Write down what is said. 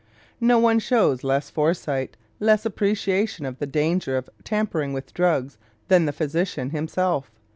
No one shows less foresight, less appreciation of the danger of tampering with drugs, than the physician himself.